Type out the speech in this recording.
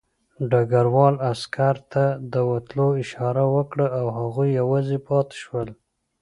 ډګروال عسکر ته د وتلو اشاره وکړه او هغوی یوازې پاتې شول